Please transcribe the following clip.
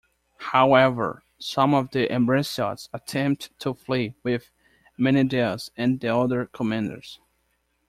However, some of the Ambraciots attempted to flee with Menedaius and the other commanders.